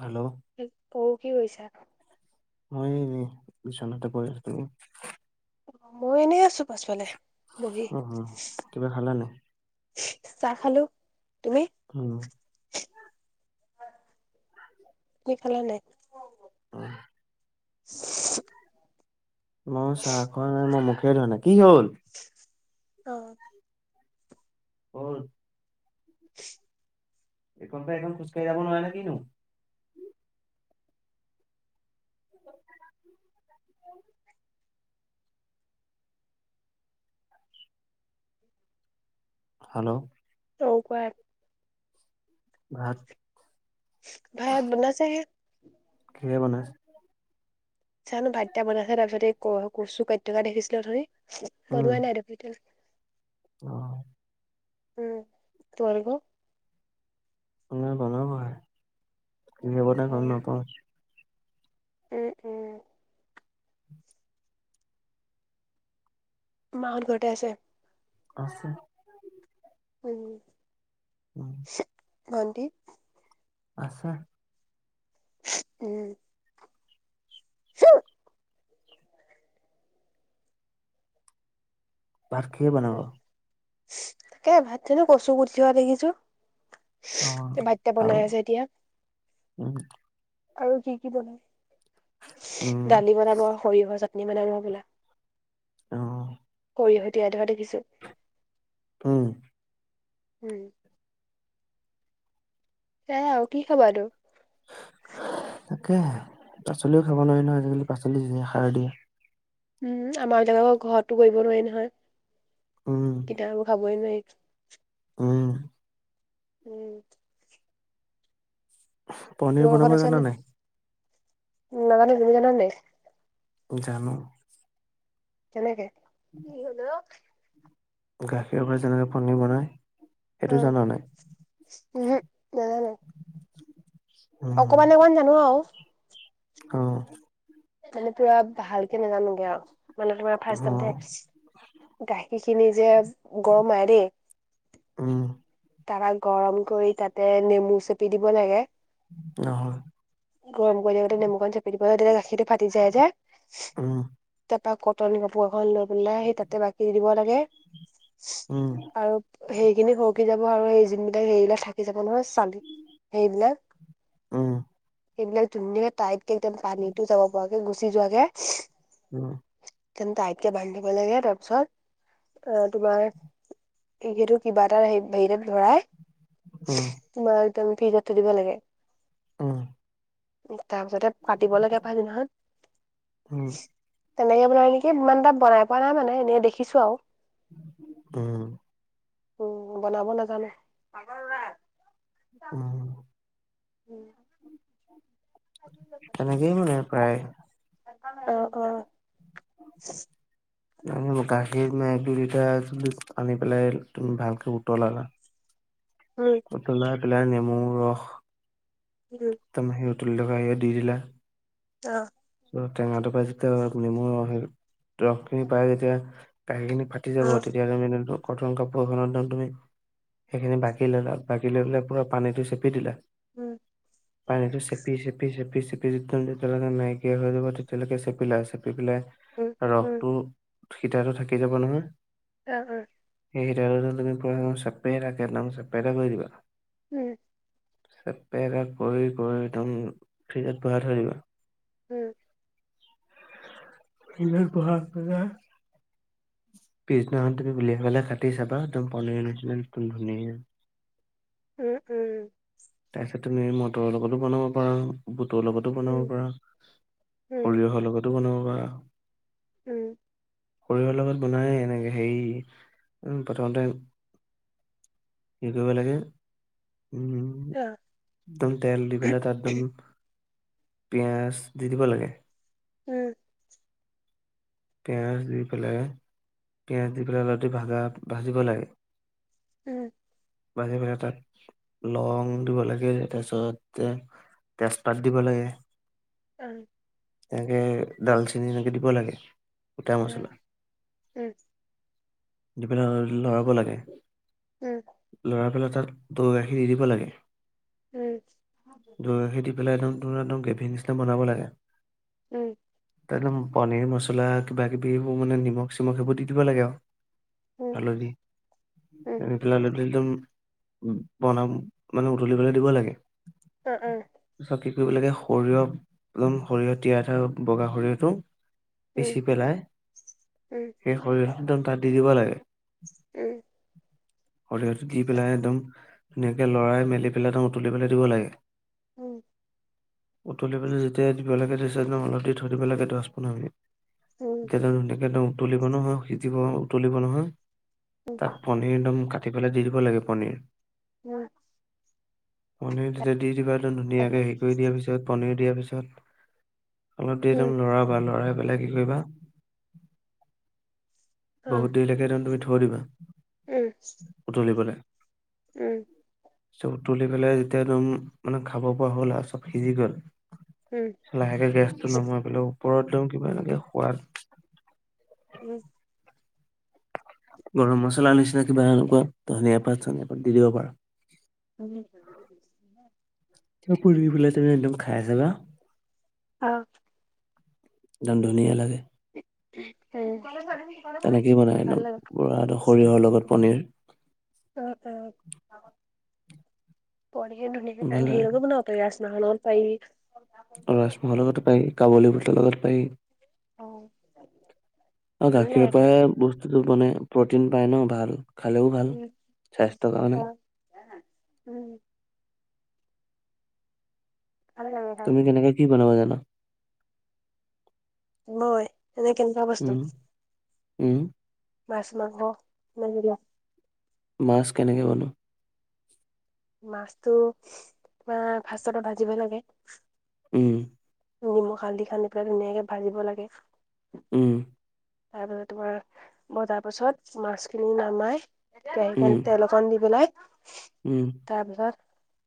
Hello. অ' কি কৰিছা? মই এ এনেই বিছনাতে পৰি আছো তুমি? মই এনেই আছো পাছফালে বহি। অ কিবা খালা নাই চাহ খালো। তুমি? উম। তুমি খালা নাই? উম মই চাহ খোৱা নাই। মই মুখে ধোৱা নাই, কি হ'ল? অ'। [unintelligible] [inaudible] এইখন পৰা এইখন খোজ কাঢ়ি যাব নোৱাৰে নে কিনো? [unintelligible] হাল্ল? ' অ' কোৱা। ভাত ভাত বনাইছে হে। কোনে বনাইছে? জানো ভাত কেইটা বনাইছে তাৰপিছত এই ক কচু কাটি থকা দেখিছিলো অথনি উম বনুৱাই নাই দেখোন এতিয়া। অ'। উম, তোমালোকৰ? মোৰ বনাব হে, কিহে বনাই গম নাপাওঁ? উম উম টো মাহত ঘৰতে আছে? আছে। উম। উম। চে ভন্টি? আছে। উম। [unintelligible] ভাত খে বনাব? তাকে ভাত থনো কচু পুঠিৱা দেখিছো। অ ভাতকেইটা আৰু বনাই আছে এতিয়া উম। আৰু কি কি বনাই? উম দালি বনাব আৰু সৰিয়হৰ চাটনি বনাব হবলা। অ। কৰি [unintelligible] ধৰা দেখিছো। কি? উম। এয়াই আৰু কি খাবা নো? তাকে, পাচলিও খাব নোৱাৰি নহয় আজিকালি পাচলি যিহে সাৰ দিয়ে। উম, আমাৰ ইয়াত আকৌ ঘৰটো কৰিব নোৱাৰি নহয়। উম। এতিয়া আৰু খাবই নোৱাৰি। উম। উম। পনীৰ তোমালোকৰ বনাব ঘৰত আছে জানা নে? নাই নাজানো তুমি জানা নাই? জানো। কেনেকে? কি হল অ? গাখীৰৰ পৰা যেনে পনীৰ বনায় সেইটো জান নাই? উহো নাজানো। উম, অকমান অকমান জানো আৰু। অ। মানে পুৰা ভালকে নাজানোগে আৰু মানে তোমাৰ অ, ফাৰ্ষ্টত ধে গাখীৰখিনি যে গৰমাই দেই। উম। তাপা গৰম কৰি তাতে নেমু চেপি দিব লাগে। নহল। গৰম কৰি দিওঁতে নেমু অকন চেপি দিব লাগে, তেতিয়া গাখীৰটো ফাটি যায় যে। উম তাপা কটন কাপোৰ এখন লৈ পেলাই সি তাতে বাকি দিব লাগে। উম, আৰু সেইখিনি হওক থাকি যাব আৰু এই যিন বিলাক সেইবিলাক থাকি যাব নহয় চালি সেইবিলাক। উম, এইবিলাক ধুনীয়াকে টাইতকে একদম পানীটো যাব পৰাকে গুচি যোৱাকে। উম তেন্ত তাইতকে বান্ধ দিব লাগে তাৰপিছত, আঁহ তোমাৰ সিহেটো কিবা এটা আহি বেগ এটাত ভৰাই, উম, তোমাৰ একদম ফ্ৰিজত থৈ দিব লাগে। উম, তাৰ পিছতে কাটিব লাগে পাছদিনাখন। উম, তেনেকে বনাই নেকি, ইমান এটা বনাই পোৱা নাই মানে এনেই দেখিছো আও। উম উম বনাব নাজানো। [inaudible] উম। উম। তেনেকেই মানে প্ৰায়। অঁ অঁ। [inaudible] [inaudible] গাখীৰ এক দুই লিটাৰ আনি পেলাই তুমি ভালকে উতলালা। উম। উতলাই পেলাই নেমু ৰস, উম একদম সেই উতলি থকা হেয়াত দি দিলা। অঁ উম টেঙাটো পাই যেতিয়া নেমু ৰসখিনি, ৰস খিনি পাই যেতিয়া গাখীৰ খিনি ফাটি যাব, অ তেতিয়াহলে জামিনিটো কতন কাপোৰ এখনত একদম তুমি, সেইখিনি বাকি ল'লা বাকি লৈ পেলাই পুৰা পানীটো চেপি দিলা। উম পানীটো চেপি চেপি চেপি চেপি একদম নাই কিয়া হৈ যাব, তেতিয়ালৈকে চেপিলা চেপি পেলাই, উম উম ৰসটো হিতাইটো থাকি যাব নহয়। অঁ অঁ। [unintelligible] উম অ পেইলত ঘহি ঘহি একদম ফ্ৰিজত ভৰাই থৈ দিবা। উম। [inaudible] পিছদিনাখন তুমি উলিয়াই পেলাই কাটি চাবা একদম পনীৰ নিচি একদম ধুনীয়া। উম উম। তাৰপিছত তুমি মটৰ লগতো বনাব পাৰা, বুটৰ লগত টো উম বনাব পাৰা, ভাল সৰিয়হৰ লগতো বনাব পাৰা। উম। সৰিয়হৰ লগত বনাই এনেকে হেৰি, উম প্ৰথমতে কি কৰিব লাগে উম উম। অ। একদম তেল দি পেলাই তাত একদম পিয়াঁজ দি দিব লাগে। উম। পিয়াজ দি পেলাই, পিয়াজ দি পেলাই অলপ দেৰি ভাজা ভাজিব লাগে। উম। বাঢ়ে বাঢ়ে তাত। লং দিব লাগে তাৰপিছত তেজপাত দিব লাগে। অ। এনেকে ডালচেনি এনেকে দিব লাগে। গোটা মছলা, দি পেলাই লৰাব লাগে। উম। লৰাই পেলে তাত দৈ গাখীৰ দি দিব লাগে তাত। দি পেলায় এনো তোৰ একদম গ্ৰেভিং নিচিনা বনাব লাগে। উম। তত পনীৰ মচলা কিবা-কিবি এইবোৰ দি দিব মানে নিমখ-চিমখ সেইবোৰ দি দিব লাগে আও। হালধি। লালটি দম বনাম, মানে উতলিবলৈ দিব লাগে। আ আ। তাৰপিছত কি কৰিব লাগে সৰিয়হ, একদম সৰিয়হ তিয়াই থৈ বগা সৰিয়হটো। পিচি পেলাই, সেই সৰিয়হ একদম তাত দি দিব লাগে। উম। সৰিয়হ টো দি পেলাই একদম। একে লৰই মেলি পেলেটো ধুনীয়াকে লৰাই মেলি পেলাই তাক উতলিবলৈ দিব লাগে। উম। উতলি পেলাই যেতিয়া দিব লাগে তাৰ পিছত অলপ দেৰি থৈ দিব লাগে দশ পোন্ধৰ মিনিট। ধুনাকে টো একদম উতলিব নহয়, সিজিব উতলিব নহয়। তাত। পনধিদম কাটি পেলাই দি দিব লাগে পনীৰ। উম। [unintelligible] পনীৰ তেতিয়া দি দিবা ধুনীয়াকে হেৰি কৰি দিয়া পিছত পনীৰ দিয়াৰ পিছত। অলপ দেৰি একদম লৰাবা, লৰাই পেলাই কি কৰিবা। বহুত দেৰিলৈকে একদম তুমি থৈ দিবা। উম। উতলিবলে। উম। চব উতলি পেলাই যেতিয়া একদম মানে খাব পৰা হ'ল আৰু চব সিজি গ'ল। লাহেকে গেছটো নমাই পেলাই ওপৰত একদম কিবা এনেকে সোৱাদ। উম। গৰম মছলা নিচিনা কিবা এনেকুৱা ধনিয়া পাত, চনিয়া পাত দি দিব পাৰা। উম। তিবা পৰি পেলাই তুমি একদম খাইছাবা। অ। দন ধুনিয়া লাগে। উম। তেনেকেই বনায় ন, পুৰা একদম সৰিয়হৰ লগত পনীৰ। অ', অ', পনীৰ খিনি ধুনীয়াকে ভাল ধেই লাগে [inaudible] ৰাজমহৰ লগত পাৰি। ৰাজমহৰ লগতো পাৰি, কাবলী বুটৰ লগত পাই। অ', আৰু ভালে লাগে গাখীৰ খাই। পৰাহে বস্তু মানে প্ৰটিন পায় ন ভাল, খালেও ভাল স্বাস্থ্যৰ কাৰণে। [unintelligible] উম'। ভালে লাগে খাই। তুমি কেনেকে কি বনাব জানা? মই, এনে কেনেকুৱা উম বস্তু? উম'। মাছ, মাংস [inaudible] মাছ কেনেকে বনোৱা? মাছতো তোমাৰ ফাষ্টতে ভাজিব লাগে। উম'। নিমখ, হালধি সানি পেলাই ধুনীয়াকে ভাজিব লাগে। উম'। তাৰপিছত তোমাৰ ভজাৰ পাছত মাছখিনি নমাই, কেৰাহী উম, খন তেল অক কণ দি পেলাই উম'। তাৰপাছত,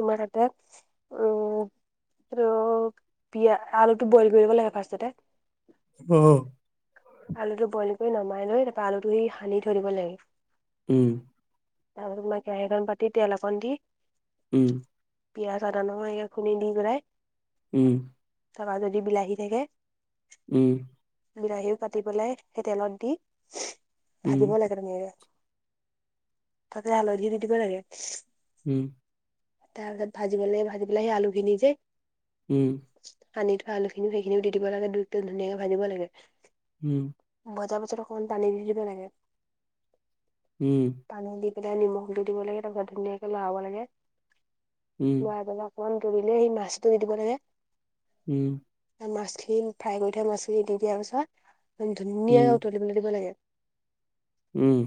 তোমাৰ তাতে [unintelligible] পিয়া- আলুটো বইল কৰিব লাগে ফাৰ্ষ্টতে। অ'। আলুটো বইল কৰি নমাই লৈ তাৰপা আলুটো সেই সানি থৈ দিব লাগে। উম'। তাৰপাছত তোমাৰ কেৰাহীখন পাতি তেল অকণ দি উম'। পিয়াঁজ, আদা, নহৰু এনেকে খুন্দি দি পেলাই উম'। তাপা যদি বিলাহী থাকে উম'। বিলাহীও কাটি পেলাই সেই তেলত দি, উম, ভাজিব লাগ তাতে ধুনীয়াকে, তাতে হালধি দি দিব লাগে। উম'। তাৰ পিছত ভাজি পেলাই ভাজি পেলাই সেই আলু খিনি যে। উম'। সানি থোৱা আলুখিনি সেইখিনিও দি দিব লাগে দু- ধুনীয়াকে ভাজিব লাগে। উম'। ভজা পিছত অকণমান পানী দি দিব লাগে। উম'। পানী দি পেলাই নিমখ দি দিব লাগে তাৰ পিছত ধুনীয়াকে লৰাব লাগে, উম, লৰাই পেলাই অকণমান দূবিলে সেই মাছটো দি দিব লাগে। উম'। মাছখিনি ফ্ৰাই কৰি থোৱা মাছখিনি দি দিয়াৰ পিছত। উম, উম, ধুনীয়াকে উতলিবলৈ দিব লাগে। উম'।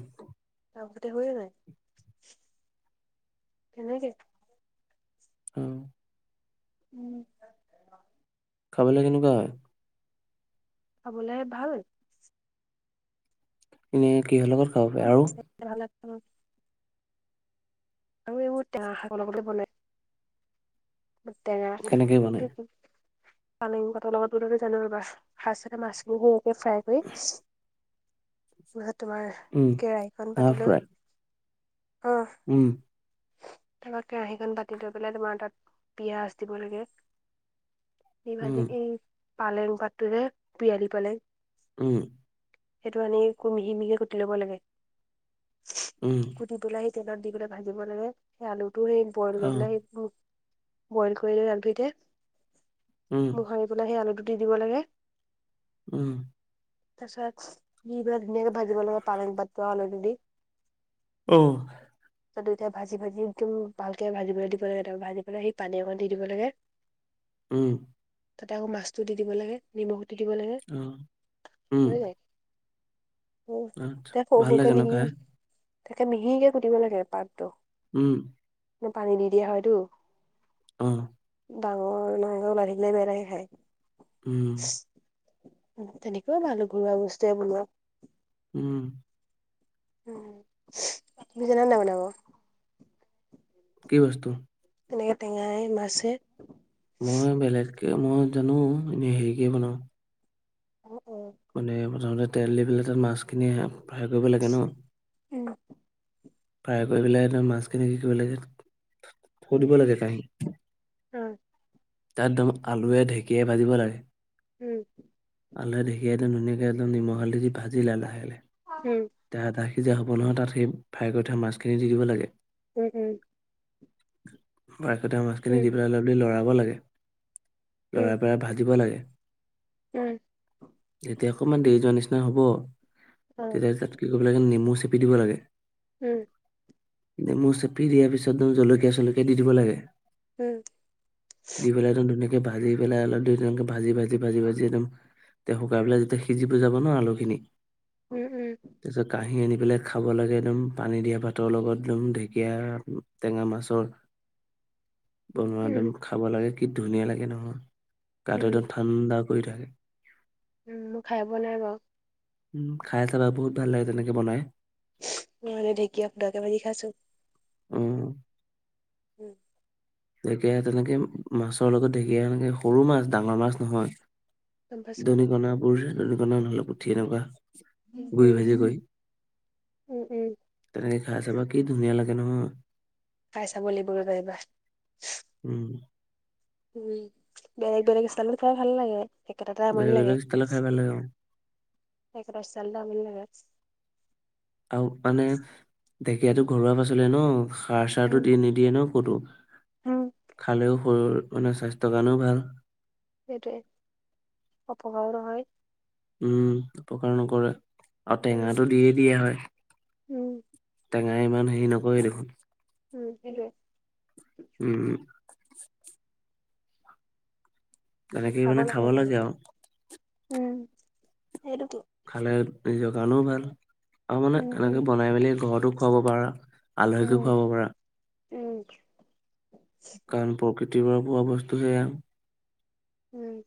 তাৰ পিছতে হৈয়ে যায়। এনেকে? উম। উম। খাবলৈ কেনেকুৱা হয়? খাবলে ভাল। এনে কিহৰ লগত খাব পাৰে আৰু? খাই ভাল লাগে, উমঁ। আৰু এইবোৰ টেঙা শাকৰ লগতে বনাই। টেঙা কেনেকে বনাই? পালেং পাতৰ লগত [unintelligible] সাজ থকা মাছখিনি সেই একে ফ্ৰাই কৰি। তাৰপিছত তোমাৰ, উম, কেৰাহীখন পাতি লৈ। অঁহ',। উমঁ। তাৰপৰা কেৰাহীখন পাতি লৈ পেলাই তোমাৰ তাত, পিয়াজ দিব লাগে। এই ভাজি, উম, এই পালেং পাতটো যে পিয়ালি পালেং। উমঁ। সেইটো আনি একো মিহি মিহিকে কুটি ল'ব লাগে। উমঁ। বিলাহী তেলত দি পেলাই ভাজিব লাগে, সেই আলুটো সেই বইল কৰি অ', পেলাই সেই, উমঁ। বইল কৰি লৈ আলু কেইটা, উম, মোহাৰি পেলাই সেই আলুটো দি দিব লাগে। উম। তাৰপিছত, দি পেলাই ধুনীয়াকে ভাজিব লাগে পালেং পাতটো আলুটো দি। অঁহ',। তাৰপিছত দুইটাই ভাজি ভাজি একদম ভালকে ভাজিবলৈ দিব লাগে তাৰপৰা ভাজি পেলাই সেই পানী অকণ দি দিব লাগে। উমঁ। তাতে আকৌ মাছটো দি দিব লাগে, নিমখ দি দিব লাগে। উমঁ। বুজিলি? উম, আচ্ছা, তে সৰু ভাল সৰুকে লাগে ন' মিহি, খাই? তাকে মিহিকে কুটিব লাগে পাতটো। উমঁ। মানে পানী দি দিয়া হয়টো। উম। ডাঙৰ-ডাঙৰ কে ওলাই থাকিলে বেয়া লাগে খাই। উম, উম তেনেকে। বৰ ভাল ঘৰুৱা বস্তুৱে বনোৱা। উমঁ। উম, তুমি জানা নে নাই বনাব? কি বস্তু? তেনেকে টেঙাই মাছে? মই বেলেগকে মই জানো এনেই হেৰিকে বনাও। অ', -অ',। মানে প্ৰথমতে তেল দি পেলাই তাত মাছখিনি ফ্ৰাই কৰিব লাগে ন। উমঁ। ফ্ৰাই কৰি পেলাই মাছখিনি কি কৰিব লাগে, থৈ উম, দিব লাগে কাহী। অ', তাত একদম আলুৱে ঢেঁকীয়াই ভাজিব লাগে। উমঁ। আলহে ঢেকিয়ে একদ ধুনাক একদম নিমখ হালধি দি ভাজিলা লাহে লাহে। উম। আধা কেজিয়ে হ'ব নহয় তাত সেই ফ্ৰাই কৰি থোৱা মাছখিনি দি দিব লাগে। উম উম। [unintelligible] মাছখিনি উম, দি পেলাই দি বুলি লৰাব লাগে। উম, লৰায় পৰাই ভাজিব লাগে। উম যেতিয়া অকণমান দেৰি যোৱা নিচিনা হব অ', তেতিয়া কি কৰিব লাগে নেমু চেপি দিব লাগে। উম এতিয়া নেমু চেপি দিয়া পিছত জলকীয়া চলকীয়া দি দিব লাগে। উম দি পেলাই একদম ধুনীয়াকে ভাজি পেলাই অলপাক ভাজি ভাজি ভাজি ভাজি একদম শুকাই পেলাই যেতিয়া সিজিব যাব ন আলুখিনি উম উম তাৰপিছত কাঁহী আনি পেলাই খাব লাগে একদম পানী দিয়া ভাতৰ লগত একম ঢেকীয়া আৰু টেঙা মাছৰ বনোৱা উম, একম খাব লাগে কি ধুনীয়া লাগে নহয় গাটো উম, একদম ঠাণ্ডা কৰি থাকে। উম মই খাই পোৱা নাই বাৰু। উ খাই চাবা বহুত ভাল লাগে তেনেকে বনাই। মে ঢেকীয়া [unintelligible] মাজি খাইছো উম উম ঢেকীয়া তেনেকে মাছৰ লগত ঢেকীয়া এনেকে সৰু মাছ ডাঙৰ মাছ নহয় গম পাইছো। দনীকণাবোৰ দনীকণা নহ'লে পুঠি এনেকুৱা উম, গৈ ভাজি উম, গৈ উম, উম, তেনেকে খাই চাবা কি ধুনীয়া লাগে নহয়। খাই চাব লাগিব এইবাৰ উম উম বেলেগ বেলেগ ষ্টাইলট খাই ভাল লাগে। একেটাতে আমনি বেলেগ লাগে। বেলেগ ষ্টাইলট খাই ভাল লাগে [unintelligible] আৰু মানে ঢেকীয়াতো ঘৰুৱা পাচলি ন সাৰ চাৰটো উম। দি নি দিয়ে ন ক'তো উম, খালেও শৰীৰ মানে স্বাস্থ্যৰ কাৰণেও ভাল সেইটোৱে অপকাৰাৰ নহয়। উম উপকাৰ নকৰে আৰু উম, টেঙাটো দিয়ে দিয়া হয়। উম টেঙাই ইমান হেৰি নকৰে দেখোন। উম সেইটোৱে। উম তেনেকে খাব মানে লাগে আৰু সেইকাৰণে উম সেইটো কি খালে নিজৰ কাৰণেও ভাল আৰু মানে উম, উম, এনেকে বনাই মেলি ঘৰতো খুৱাব পাৰা। উম, আলহীকো খুৱাব পাৰা। উম। কাৰণ প্ৰকৃতিৰ পৰা পোৱা বস্তু সেয়া। উম